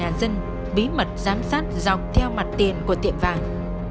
tổ năm là các trình sát gần nhà dân bí mật giám sát dọc theo mặt tiền của tiệm vàng